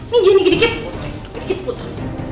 nih jangan dikit dikit putri